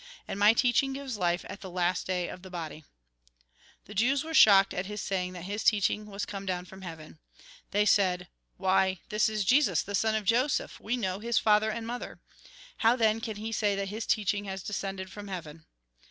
And my teaching gives life at the last day of the body." The Jews were shocked at his saying that hig 70 THE GOSPEL IN BRIEF teaching was come down from heaven. They said :" Why, this is Jesus, the son of Joseph ; we know his father and mother. How, then, can he say that his teaching has descended from heaven